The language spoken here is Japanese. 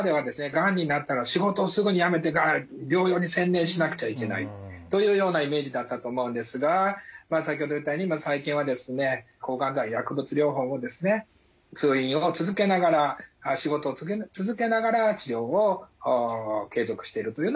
がんになったら仕事をすぐに辞めて療養に専念しなくちゃいけないというようなイメージだったと思うんですが先ほど言ったように最近はですね抗がん剤薬物療法をですね通院を続けながら仕事を続けながら治療を継続してるというのが多くなっていっています。